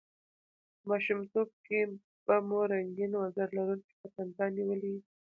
په ماشومتوب کښي به مو رنګین وزر لرونکي پتنګان نیولي يي!